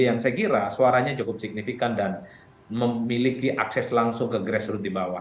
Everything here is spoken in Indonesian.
yang saya kira suaranya cukup signifikan dan memiliki akses langsung ke grassroot di bawah